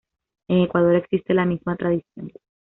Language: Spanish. En Ecuador existe la misma tradición.